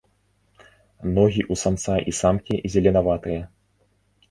Ногі ў самца і самкі зеленаватыя.